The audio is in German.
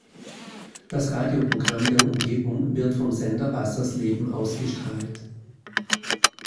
Das Radioprogramm der Umgebung wird vom Sender Wassersleben ausgestrahlt.